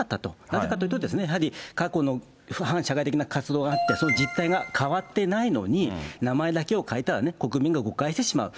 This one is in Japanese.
なぜかというと、過去の反社会的な活動があって、その実態が変わってないのに、名前だけを変えたらね、国民が誤解してしまう。